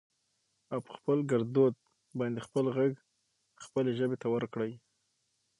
او په خپل ګردود باندې خپل غږ خپلې ژبې ته ورکړٸ